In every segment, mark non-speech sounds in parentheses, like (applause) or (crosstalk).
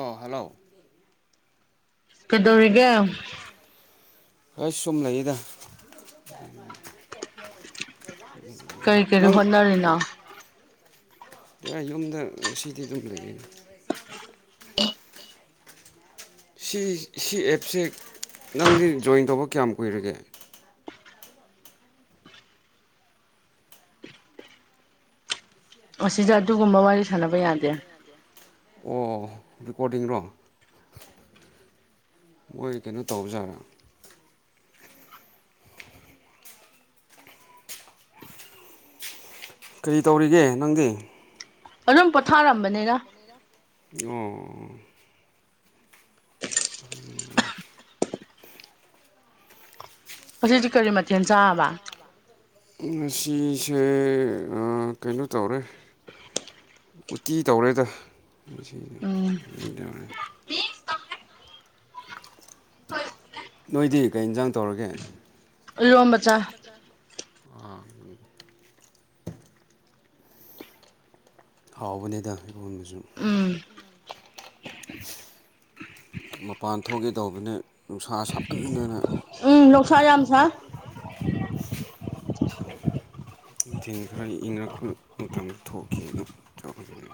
ꯑꯣ ꯍꯜꯂꯣ ꯀꯗꯧꯔꯤꯒꯥ ꯑꯩꯣꯏ ꯁꯝ ꯂꯩꯗꯦ ꯀꯔꯤ ꯀꯔꯤ ꯍꯣꯠꯅꯔꯤꯅꯣ ꯌꯨꯝꯗ ꯁꯤꯗꯤ ꯆ ꯂꯩꯅ ꯁꯤ ꯁꯤ ꯑꯦꯞꯁꯦ ꯅꯪꯗꯤ ꯖꯣꯏꯟ ꯇꯧꯕ ꯀꯌꯥꯝ ꯀꯨꯏꯔꯒꯦ ꯑꯁꯤꯁ ꯑꯗꯨꯒꯨꯝꯕ ꯋꯥꯔꯤ ꯁꯥꯟꯅꯕ ꯌꯥꯗꯦ ꯑꯣ ꯄ‌ꯣꯔꯤꯀꯣꯔꯗꯤꯡꯔꯣ ꯃꯣꯏ ꯀꯩꯅꯣ ꯇꯧꯖꯥꯠꯔꯥ ꯀꯔꯤ ꯇꯧꯔꯤꯒꯦ ꯅꯪꯗꯤ ꯑꯗꯨꯝ ꯄꯣꯊꯥꯔꯝꯕꯅꯤꯅ ꯑꯣ ꯎꯝ ꯄꯗꯤ ꯀꯔꯤꯃꯊꯤ ꯑ ꯆꯕ ꯉꯁꯦ ꯀꯩꯅꯣ ꯇꯧꯔꯦ ꯎꯠꯇꯤ ꯇꯧꯔꯦꯗ ꯇꯧꯔꯦ ꯅꯣꯏꯗꯤ ꯀꯩ ꯌꯦꯟꯖꯥꯡ ꯇꯧꯔꯒꯦ ꯂꯣꯝꯕꯆꯥ ꯑꯥ ꯍꯥꯎꯕꯅꯤꯗ ꯏꯔꯣꯟꯕꯁꯨ ꯃꯄꯥꯟ ꯊꯣꯛꯀꯦ ꯇꯧꯕꯅꯦ ꯅꯨꯡꯁꯥ ꯁꯃꯟꯗꯅ ꯅꯨꯡꯁꯥ ꯌꯥꯝ ꯁꯥꯏ ꯅꯨꯡꯊꯤꯜ ꯈꯔꯥ ꯏꯪꯉꯛꯄ ꯃꯇꯝꯗ ꯊꯣꯛꯀꯦꯅ ꯇꯧꯕꯅꯤ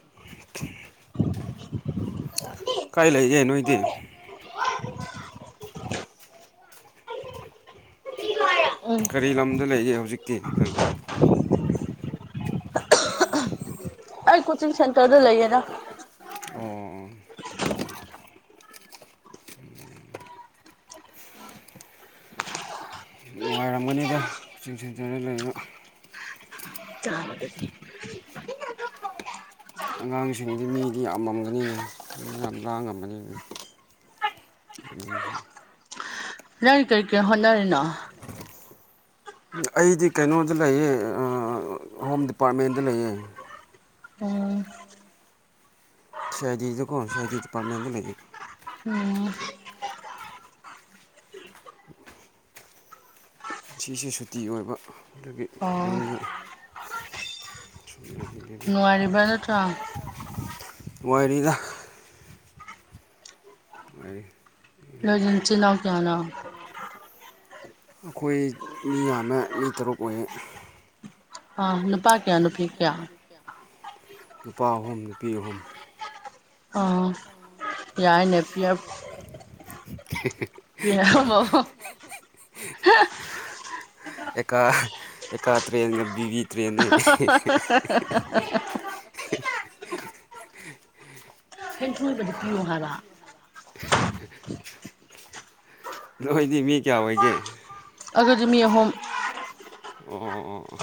(inaudible) ꯀꯥꯏ ꯂꯩꯒꯦ ꯅꯣꯏꯗꯤ ꯀꯔꯤ ꯂꯝꯗ ꯂꯩꯒꯦ ꯍꯥꯌꯅꯥ ꯍꯧꯖꯤꯛꯇꯤ ꯅꯪ ꯑꯩ ꯀꯣꯆꯤꯡ ꯁꯦꯟꯇꯔꯗ ꯂꯩꯌꯦꯗ ꯑꯣ ꯅꯨꯡꯉꯥꯏꯔꯝꯒꯅꯤꯗ ꯀꯣꯆꯤꯡ ꯁꯦꯟꯇꯔꯗ ꯂꯩꯕ ꯑꯉꯥꯡꯁꯤꯡꯗꯤ ꯃꯤꯗꯤ ꯌꯥꯝꯃꯝꯒꯅꯤꯅꯤ ꯃꯤ ꯌꯥꯝ ꯂꯥꯡ ꯉꯝꯒꯅꯤꯅꯦ ꯏꯁꯤ ꯅꯪ ꯀꯩ ꯀꯩ ꯍꯣꯠꯅꯔꯤꯅꯣ ꯑꯩꯗꯤ ꯀꯩꯅꯣꯗ ꯂꯩꯌꯦ ꯑ ꯍꯣꯝ ꯗꯤꯄꯥꯔꯠꯃꯦꯟꯗ ꯂꯩꯌꯦ ꯁꯤꯥꯑꯥꯏꯗꯤꯗꯀꯣ ꯁꯤꯥꯑꯥꯏꯗꯤ ꯗꯤꯄꯥꯔꯠꯃꯦꯟꯗ ꯂꯩꯌꯦ ꯉꯁꯤꯁꯦ ꯁꯨꯇꯤ ꯑꯣꯏꯕ ꯑꯗꯨꯒꯤ ꯌꯨꯝꯗ ꯅꯨꯡꯉꯥꯏꯔꯤꯕ ꯅꯠꯇ꯭ꯔꯣ ꯅꯨꯡꯉꯥꯏꯔꯤꯗ ꯅꯨꯡꯉꯥꯏꯔꯤ ꯅꯣꯏ ꯏꯆꯤꯜ ꯏꯅꯥꯎꯅꯥ ꯀꯌꯥꯅꯣ ꯑꯩꯈꯣꯏ ꯃꯤ ꯌꯥꯝꯃꯦ ꯃꯤ ꯇꯔꯨꯛ ꯑꯣꯏꯌꯦ ꯑꯥ ꯅꯨꯄꯥ ꯀꯌꯥ ꯅꯨꯄꯤ ꯀꯌꯥ ꯅꯨꯄꯥ ꯑꯍꯨꯝ ꯅꯨꯄꯤ ꯑꯍꯨꯝ ꯑꯥ ꯌꯥꯏ ꯅꯦ ꯄꯤꯌꯔ ꯄꯤꯌꯔ ꯑꯍꯨꯃꯛ ꯑꯦꯀꯥ ꯑꯦꯀꯥ ꯇ꯭ꯔꯦꯟꯒ ꯕꯤ ꯕꯤ ꯇ꯭ꯔꯦꯟꯅꯦ ꯊꯣꯏꯕꯗ ꯄꯤꯌꯨ ꯍꯥꯏꯕ ꯅꯣꯏꯗꯤ ꯃꯤ ꯀꯌꯥ ꯑꯣꯏꯒꯦ ꯑꯩꯈꯣꯏꯗꯤ ꯃꯤ ꯑꯍꯨꯝ ꯑꯣ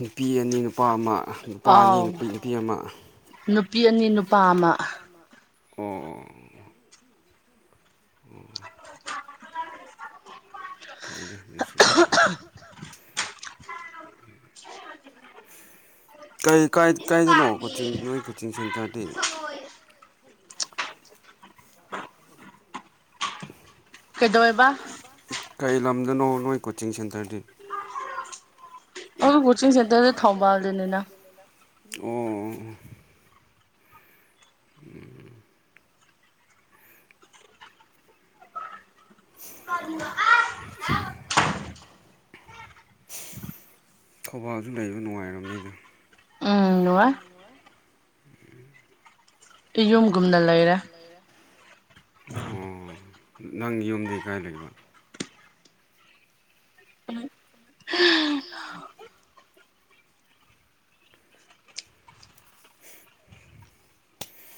ꯅꯨꯄꯤ ꯑꯅꯤ ꯅꯨꯄꯥ ꯑꯃ ꯅꯨꯄꯥ ꯑꯅꯤ ꯅꯨꯄꯤ ꯅꯨꯄꯤ ꯑꯃꯥ ꯅꯨꯄꯤ ꯑꯅꯤ ꯅꯨꯄꯥ ꯑꯃꯥ ꯑꯣ ꯑꯣ ꯎꯝ ꯐꯩꯗ ꯑꯗꯨꯁꯨ ꯀꯩ ꯀꯥꯏ ꯀꯥꯏꯗꯅꯣ ꯀꯣꯆꯤꯡ ꯅꯣꯏ ꯀꯣꯆꯤꯡ ꯁꯦꯟꯇꯔꯗꯤ ꯀꯩꯗꯧꯋꯦꯕ ꯀꯩ ꯂꯝꯗꯅꯣ ꯅꯣꯏ ꯀꯣꯆꯤꯡ ꯁꯦꯟꯇꯔꯗꯤ (inaudible) ꯀꯣꯆꯤꯡ ꯁꯦꯟꯇꯔꯗꯨ ꯊꯧꯕꯥꯜꯗꯅꯤꯗ ꯑꯣ ꯑꯣ ꯎꯝ (inaudible) ꯊꯧꯕꯥꯜꯁꯨ ꯂꯩꯕ ꯅꯨꯡꯉꯥꯏꯔꯝꯅꯤꯗ ꯅꯨꯡꯉꯥꯏ ꯎꯝ ꯏꯌꯨꯝꯒꯨꯝꯅ ꯂꯩꯔꯦ ꯑꯣ ꯅꯪꯒꯤ ꯌꯨꯝꯗꯤ ꯀꯥꯏ ꯂꯩꯕ ꯎꯝ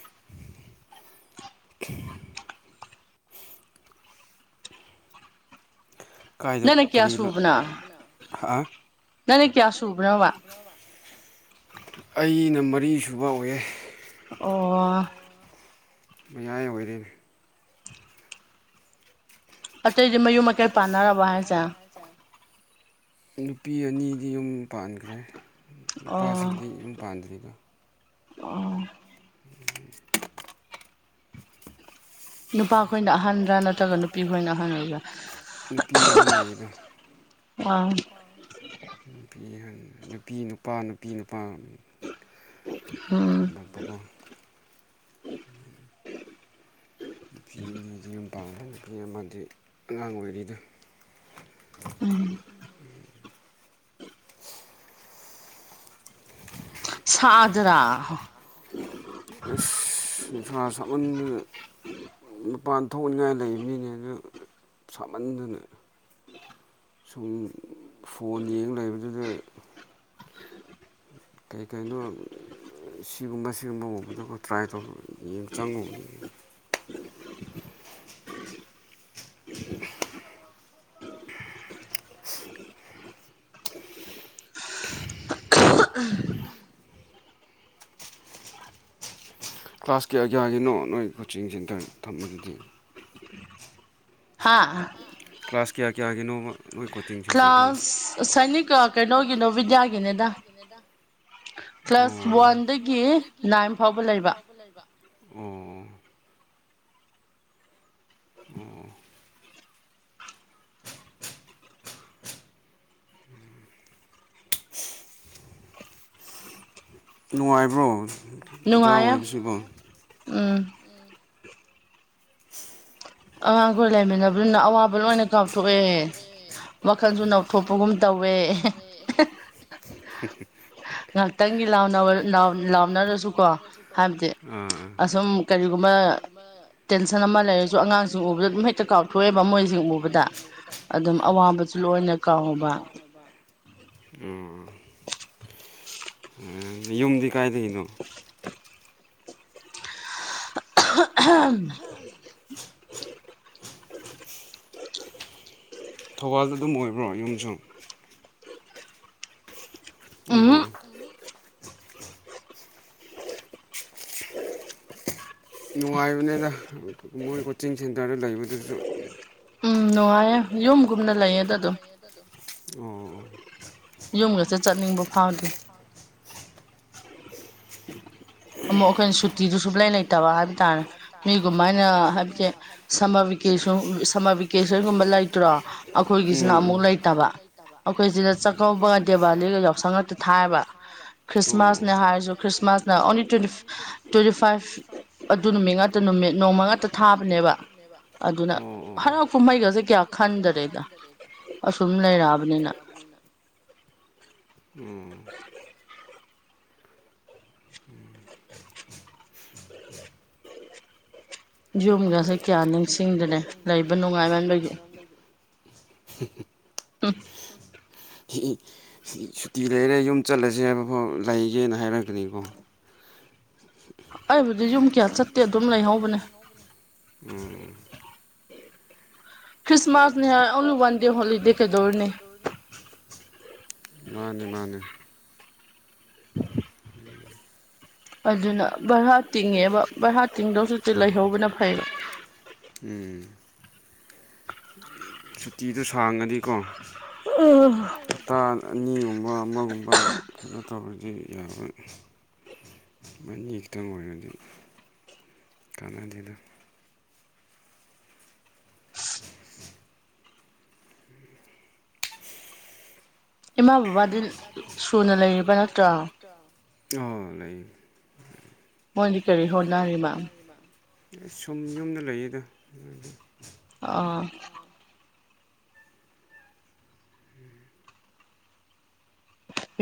(inaudible) ꯅꯪꯅ ꯀꯌꯥ ꯁꯨꯕꯅꯣ ꯍꯥ ꯅꯪꯅ ꯀꯌꯥ ꯁꯨꯕꯅꯣꯕ ꯑꯩꯅ ꯃꯔꯤ ꯁꯨꯕ ꯑꯣꯏꯌꯦꯦ ꯃꯌꯥꯏ ꯑꯣꯏꯔꯦꯅꯦ ꯑꯇꯩꯗꯤ ꯃꯌꯨꯝ ꯃꯀꯩ ꯄꯥꯟꯅꯔꯕ ꯍꯥꯏꯁꯦ ꯅꯨꯄꯤ ꯑꯅꯤꯗꯤ ꯌꯨꯝ ꯄꯥꯟꯈ꯭ꯔꯦ ꯅꯨꯄꯥꯁꯤꯡꯗꯤ ꯌꯨꯝ ꯄꯥꯟꯗ꯭ꯔꯤꯔꯤꯕ ꯎꯝ ꯅꯨꯄꯤ ꯑꯍꯟ ꯑꯣꯏꯔ ꯑꯥ ꯅꯨꯄꯤ ꯅꯨꯄꯤ ꯅꯨꯄꯥ ꯅꯨꯄꯤ ꯅꯨꯄꯥ ꯂꯣꯛꯄꯒ ꯅꯨꯄꯤ ꯑꯅꯤꯗꯤ ꯌꯥꯝ ꯄꯥꯝꯃꯦ ꯅꯨꯄꯤ ꯑꯃꯗꯤ ꯑꯉꯥꯡ ꯑꯣꯏꯔꯤꯗ ꯎꯝ ꯁꯥꯗꯔꯥ ꯏ ꯊꯂ ꯁꯃ ꯃꯄꯥꯟ ꯊꯣꯛꯅꯤꯡꯉꯥꯏ ꯂꯩꯕꯅꯤꯅꯦ ꯑꯗꯨ ꯁꯥꯃꯟꯗꯅ ꯁꯨꯝ ꯐꯣꯟ ꯌꯦꯡ ꯂꯩꯕꯗꯨꯗ ꯀꯩ ꯀꯩꯅꯣ ꯁꯤꯒꯨꯝꯕ ꯁꯤꯒꯨꯝꯕ ꯎꯕꯗꯀ ꯇ꯭ꯔꯥꯏ ꯇꯧꯔ ꯆꯪꯉꯨꯕꯅꯤ (unintelligible) ꯀ꯭ꯂꯥꯁ ꯀꯌꯥ ꯀꯌꯥꯒꯤꯅꯣ ꯅꯣꯏ ꯀꯣꯆꯤꯡ ꯁꯦꯟꯇꯔ ꯊꯝꯕꯝꯕꯗꯨꯗꯤ ꯍꯥꯥ ꯀ꯭ꯂꯥꯁ ꯀꯌꯥ ꯀꯌꯥꯒꯦꯅꯨ ꯣꯏ ꯀꯣꯆꯤꯡ ꯁꯦꯟꯇ ꯀ꯭ꯂꯥꯁ ꯋꯥꯟꯗꯒꯤ ꯅꯥꯏꯟ ꯐꯥꯎꯕ ꯂꯩꯕ ꯑꯣ ꯑꯣ (unintelligible) ꯎꯝ ꯅꯨꯡꯉꯥꯏꯕ꯭ꯔꯣ ꯑꯣꯖꯥ ꯑꯣꯏꯕꯁꯤꯕꯣ (unintelligible) ꯑ ꯑꯩꯈꯣꯏ ꯂꯩꯃꯤꯟꯅꯕꯗꯨꯅ ꯑꯋꯥꯕ ꯂꯣꯏꯅ ꯀꯥꯞꯊꯣꯛꯑꯦ ꯋꯥꯜꯁꯨ ꯅꯧꯊꯣꯛꯄꯒꯨꯝ ꯇꯧꯋꯦ (unintelligible) (unintelligible) ꯉꯍꯥꯛꯇꯪꯒꯤ ꯂꯥꯎꯅꯔꯁꯨꯀꯣ ꯍꯥꯏꯕꯗꯤ ꯑꯁꯨꯝ ꯀꯔꯤꯒꯨꯝꯕ ꯀꯔꯤꯒꯨꯝꯕ ꯇꯦꯟꯁꯟ ꯑꯃ ꯂꯩꯔꯁꯨ ꯑꯉꯥꯡꯁꯤꯡ ꯎꯕꯗ ꯑꯗꯨꯝ ꯍꯦꯛꯇ ꯀꯥꯎ ꯑꯗꯨꯝ ꯍꯦꯛꯇ ꯀꯥꯎꯊꯣꯛꯑꯦꯕ ꯃꯣꯏꯁꯤꯡ ꯎꯕꯗ ꯑꯗꯨꯝ ꯑꯋꯥꯕꯁꯨ ꯂꯣꯏꯅ ꯀꯥꯎꯕ ꯑꯣ ꯌꯨꯝꯗꯤ ꯀꯥꯏꯗ ꯍꯅꯣ ꯑ ꯑꯣꯦ ꯊꯧꯕꯥꯜꯗ ꯑꯗꯨꯝ ꯑꯣꯏꯕ꯭ꯔꯣ ꯌꯨꯝꯁꯨ ꯑꯣ ꯅꯨꯡ ꯉꯥꯏꯕꯅꯤꯅ ꯃꯣꯏ ꯀꯣꯆꯤꯡ ꯁꯦꯟꯇꯔꯗ ꯂꯩꯕꯗꯨꯁꯨ ꯎꯝ ꯅꯨꯡꯉꯥꯏꯌꯦ ꯌꯨꯝꯒꯨꯝꯅ ꯂꯩꯌꯦ ꯑꯗꯨ ꯑꯗꯨꯝ ꯑꯣ ꯌꯨꯝꯒꯁ ꯆꯠꯅꯤꯡꯕ ꯐꯥꯎꯗ ꯑꯃꯨꯛ ꯑꯩꯈꯣꯏꯅ ꯁꯨꯇꯤꯗꯨ ꯁꯨꯡꯂꯥꯏ ꯂꯩꯇꯕ ꯍꯥꯏꯕ ꯇꯥꯔꯦ ꯃꯤꯒꯃꯥꯏꯅ ꯍꯥꯏꯕꯗꯤ ꯝꯃꯔ ꯚꯀꯦꯁꯟꯒꯨꯝꯕ ꯂꯩꯇ꯭ꯔꯣ ꯑꯩꯈꯣꯏꯒꯤꯁꯤꯅ ꯑꯃꯨꯛ ꯂꯩꯇꯕ ꯑꯩꯈꯣꯏ ꯆꯥꯛꯀꯧꯕ ꯗꯦꯋꯥꯂꯤꯒ ꯌꯥꯎꯁꯪ ꯉꯥꯛꯇ ꯊꯥꯏꯕ ꯈ꯭ꯔꯤꯁꯃꯥꯁꯅꯦ ꯍꯥꯏꯔꯁꯨ ꯈ꯭ꯔꯤꯁꯃꯥꯁꯅꯦ ꯑꯣꯡꯂꯤ ꯇ꯭ꯋꯦꯟꯇꯤ ꯇ꯭ꯋꯦꯟꯇꯤ ꯐꯥꯏꯚ ꯑꯗꯨ ꯅꯨꯃꯤꯠ ꯉꯥꯛꯇ ꯅꯨꯃꯤꯠ ꯅꯣꯡꯃ ꯉꯇ ꯊꯥꯕꯅꯦꯕ ꯑꯗꯨꯅ ꯍꯔꯥꯎ ꯀꯨꯝꯍꯩꯒꯁꯦ ꯀꯌꯥ ꯈꯟꯗꯔꯦꯗ ꯑꯁꯨꯝ ꯂꯩꯔꯕꯅꯤꯅ ꯎꯝ ꯎꯝ ꯌꯨꯝꯒꯥꯁꯦ ꯀꯌꯥ ꯅꯤꯡꯁꯤꯡꯗꯅ ꯂꯩꯕ ꯅꯨꯡꯉꯥꯏꯃꯕꯒꯤ ꯁꯤ ꯎꯝ ꯁꯨꯇꯤ ꯂꯩꯔꯦ ꯌꯨꯝ ꯆꯠꯂꯁꯦ ꯍꯥꯏꯕ ꯐꯥꯎ ꯂꯩꯒꯦꯅ ꯍꯥꯏꯔꯛꯀꯅꯤꯀꯣ ꯑꯣ ꯑꯩꯕꯨꯗꯤ ꯌꯨꯝ ꯀꯌꯥ ꯆꯠꯇꯦ ꯑꯗꯨꯝ ꯂꯩꯍꯧꯕꯅꯦ ꯎꯝ ꯀ꯭ꯔꯤꯁꯃꯥꯁꯅꯦ ꯍꯥꯏ ꯋꯥꯟꯗ ꯍꯣꯂꯤꯗꯦ ꯀꯗꯧꯔꯅꯤ ꯃꯥꯅꯦ ꯃꯥꯅꯦ (unintelligible) ꯑꯗꯨꯅ ꯚꯔꯍꯥ ꯇꯤꯡꯉꯦꯕ ꯚꯔꯍꯥ ꯇꯤꯡꯗꯧꯁꯨꯤ ꯂꯩꯍꯧꯕꯅ ꯐꯩꯕ ꯎꯝ ꯁꯨꯇꯤꯗꯣ ꯁꯥꯡꯒꯅꯤꯀꯣ ꯍꯞꯇꯥ ꯑꯅꯤꯒꯨꯝꯕ ꯑꯃꯒꯨꯝꯕ ꯇꯧꯅꯤ ꯁꯤ ꯌꯥꯔꯣꯏ ꯃꯅꯤ ꯈꯛꯇꯪ ꯑꯣꯏꯔꯗꯤ ꯀꯅꯥ ꯂꯤꯗ ꯏꯅꯥꯎ ꯄꯥꯗꯤ ꯁꯨꯅ ꯂꯩꯔꯤꯕ ꯅꯠꯇ꯭ꯔꯣ ꯑꯥ ꯂꯩ ꯃꯣꯏꯗꯤ ꯀꯔꯤ ꯍꯣꯠꯅꯔꯤꯕ ꯁꯨꯝ ꯌꯨꯝꯗ ꯂꯩꯌꯦꯗ ꯑ ꯎꯝ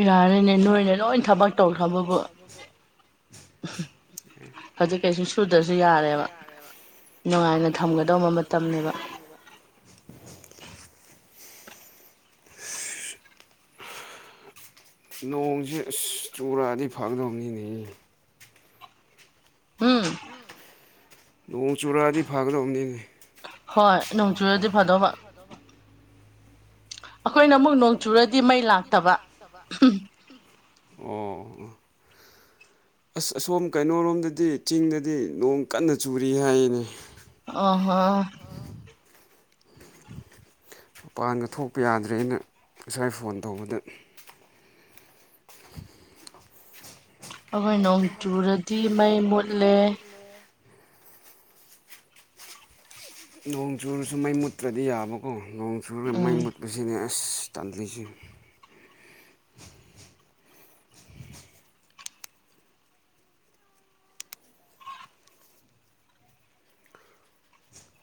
ꯌꯥꯔꯅꯦ ꯅꯣꯏꯅꯦ ꯂꯣꯏ ꯊꯕꯛ ꯇꯧꯈ꯭ꯔꯕꯕꯨ ꯍꯧꯖꯤꯛ ꯐꯖꯤꯛ ꯁꯨꯗꯕꯁꯨ ꯌꯥꯔꯦꯕ ꯅꯨꯡꯉꯥꯏꯅ ꯊꯝꯒꯗꯧꯕ ꯃꯇꯝꯅꯤꯅꯦꯕ ꯅꯣꯡꯁꯦ ꯑꯁ ꯆꯨꯔꯛꯑꯗꯤ ꯐꯥꯒꯗꯧꯅꯤꯅꯦ ꯎꯝ ꯅꯣꯡ ꯆꯨꯔꯛꯑꯗꯤ ꯐꯒꯗꯕꯅꯤꯅꯦ ꯍꯣꯏ ꯅꯣꯡꯆꯨꯔꯗꯤ ꯐꯗꯧꯕ ꯑꯩꯈꯣꯏꯅ ꯑꯃꯨꯛ ꯅꯣꯡꯆꯨꯔꯗꯤ ꯆꯨꯔꯒꯤ ꯃꯩ ꯂꯥꯛꯇꯕ (unintelligible) ꯑꯁ ꯑꯁꯣꯝ ꯀꯩꯅꯣꯣꯔꯣꯝꯗꯗꯤ ꯆꯤꯡꯗꯗꯤ ꯅꯣꯡ ꯀꯟꯅ ꯆꯨꯔꯤ ꯍꯥꯏꯅꯤ ꯑ ꯍꯣ ꯃꯄꯥꯟꯒ ꯊꯣꯛꯄ ꯌꯥꯗ꯭ꯔꯦꯅ ꯉꯁꯥꯏ ꯐꯣꯟ ꯇꯧꯕꯗ ꯑꯩꯈꯣꯏ ꯅꯣꯡ ꯆꯨꯔꯗꯤ ꯃꯩ ꯃꯨꯠꯂꯦ ꯅꯣꯡ ꯆꯨꯔꯁꯨ ꯃꯩ ꯃꯨꯠꯇ꯭ꯔꯗꯤ ꯌꯥꯕꯀꯣ ꯅꯣꯡ ꯆꯨꯔꯒ ꯃꯩ ꯃꯨꯠꯄꯁꯤꯅꯦ ꯑꯩ ꯑꯁ ꯇꯥꯟꯗ꯭ꯂꯤꯁꯦ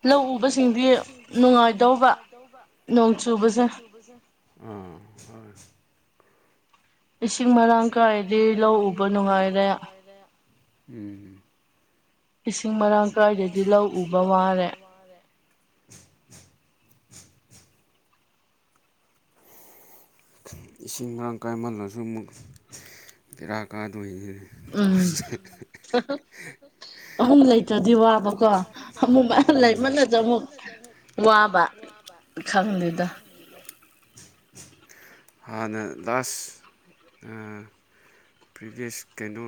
ꯂꯧ ꯎꯕꯁꯤꯡꯗꯤ ꯅꯨꯡꯉꯥꯏꯗꯧꯕ ꯅꯣꯡ ꯆꯨꯕꯁꯦ ꯎꯝ ꯏꯁꯤꯡ ꯃꯔꯥꯡ ꯀꯥꯏꯗꯤ ꯂꯧ ꯎꯕ ꯅꯨꯡꯉꯥꯏꯔꯦ ꯎꯝ ꯏꯁꯤꯡ ꯃꯔꯥꯡ ꯀꯋꯥꯏꯗꯗꯤ ꯂꯧ ꯎꯕ ꯃꯥꯜꯂꯦ (unintelligible) ꯏꯁꯤꯡ ꯃꯔꯥꯡ ꯀꯥꯏꯃꯜꯂꯁꯨ ꯑꯃꯨꯛ ꯄꯕꯦꯔꯥ ꯀꯥꯗꯣꯏꯅꯤꯅ ꯎꯝ ꯑꯍꯨꯝ ꯂꯩꯇ꯭ꯔꯗꯤ ꯋꯥ ꯀꯣ ꯑꯃꯨꯛ ꯂꯩꯃꯅꯁꯨ ꯑꯃꯨꯛ ꯋꯥꯕ ꯈꯪꯗꯦꯗ ꯑꯗꯨꯗ (inaudible) ꯍꯥꯟꯅ ꯂꯥꯁ ꯄ꯭ꯔꯤꯚꯤꯁ ꯀꯩꯅꯣ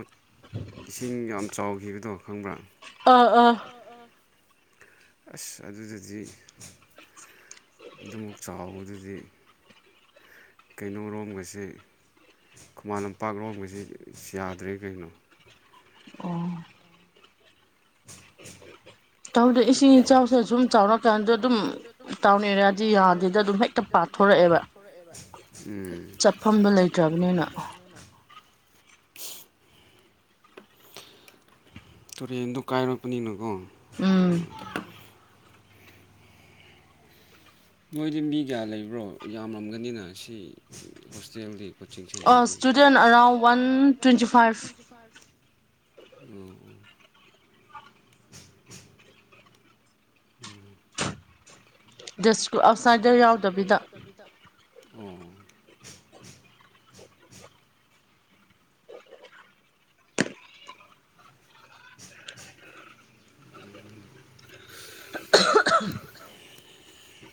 ꯏꯁꯤꯡ ꯌꯥꯝ ꯆꯥꯎꯈꯤꯕꯗꯣ ꯈꯪꯕ꯭ꯔꯥ ꯑꯥ ꯑ ꯑꯁ ꯑꯗꯨꯗꯗꯤ ꯑꯗꯨꯃꯛ ꯆꯥꯎꯕꯗꯨꯗꯤ ꯀꯩꯅꯣꯔꯣꯝꯒꯁꯦ ꯈꯨꯃꯟ ꯂꯝꯄꯥꯛ ꯂꯣꯝꯒꯁꯤ ꯌꯥꯗ꯭ꯔꯦ ꯀꯩꯅꯣ ꯑꯣ ꯎ ꯇꯧꯗꯦ ꯏꯁꯤꯡ ꯏꯆꯥꯎꯁꯦ ꯁꯨꯝ ꯆꯥꯎꯔ ꯀꯥꯟꯗ ꯑꯗꯨꯝ ꯇꯥꯎꯟ ꯑꯦꯔꯤꯌꯥꯗꯤ ꯌꯥꯗꯦꯗ ꯑꯗꯨꯝ ꯍꯦꯛꯇ ꯄꯥꯊꯣꯔꯛꯑꯦꯕ ꯆꯠꯐꯝꯗꯨ ꯂꯩꯇ꯭ꯔꯕꯅꯤꯅ ꯇꯨꯔꯦꯟꯗꯣ ꯀꯥꯏꯔꯛꯄꯅꯤꯅꯀꯣ ꯅꯣꯏꯗꯤ ꯃꯤ ꯀꯌꯥ ꯂꯩꯕ꯭ꯔꯣ ꯌꯥꯝꯔꯝꯒꯅꯤꯅ ꯁꯤ ꯍꯣꯁꯇꯦꯜꯗꯤ ꯀꯣꯆꯤꯡ ꯁꯦꯟꯇꯔꯗ ꯏꯁꯇꯨꯗꯦꯟ ꯑꯔꯥꯎꯟ ꯋꯥꯟ ꯇ꯭ꯋꯦꯟꯇꯤ ꯐꯥꯏꯚ ꯑꯣ ꯎꯝ ꯗꯦꯁꯀꯨꯜ ꯑꯥꯎꯠꯁꯥꯏꯗ ꯌꯥꯎꯗꯕꯤꯗ ꯑꯣ ꯑꯗꯨ (unintelligible)